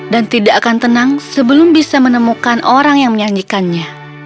dan tidak akan tenang sebelum bisa menemukan orang yang menyanyikannya